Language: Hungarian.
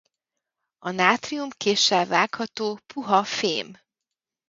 A nátrium késsel vágható, puha fém.